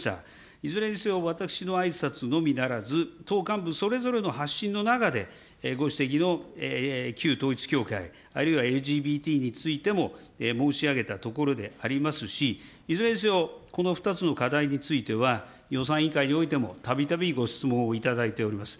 いずれにせよ私のあいさつのみならず、党幹部それぞれの発信の中で、ご指摘の旧統一教会、あるいはＬＧＢＴについても申し上げたところでありますし、いずれにせよ、この２つの課題については、予算委員会においてもたびたびご質問をいただいております。